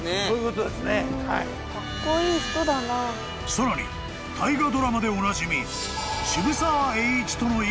［さらに大河ドラマでおなじみ］